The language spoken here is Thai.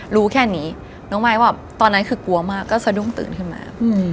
รู้แค่นี้น้องมายว่าตอนนั้นคือกลัวมากก็สะดุ้งตื่นขึ้นมา